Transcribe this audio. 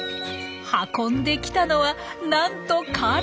運んできたのはなんとカレイ。